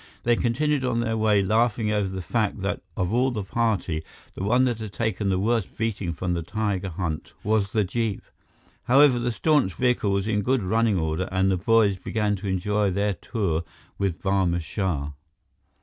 They continued on their way, laughing over the fact that of all the party, the one that had taken the worst beating from the tiger hunt was the jeep. However, the staunch vehicle was in good running order, and the boys began to enjoy their tour with Barma Shah.